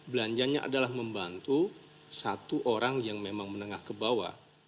belanjanya adalah membantu satu orang yang memang menengah ke bawah